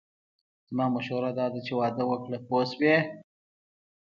زما مشوره داده چې واده وکړه پوه شوې!.